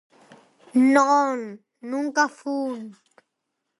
Non, nunca fun.